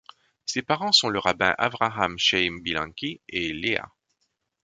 Ses parents sont le rabbin Avraham Chaim Bilenki et Leah.